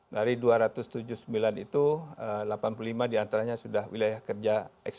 dari dua ratus tujuh puluh sembilan itu delapan puluh lima diantaranya sudah wilayah kerja ekspor